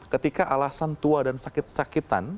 ketika alasan tua dan sakit sakitan